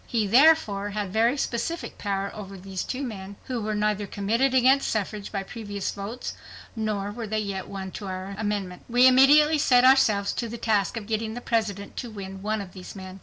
He, therefore, had very specific power over these two men, who were neither committed against suffrage by previous votes nor were they yet won to the amendment. We immediately set ourselves to the task of getting the President to win one of these men.